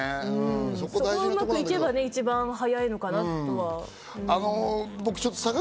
そこがうまくいけば一番早いのかなって。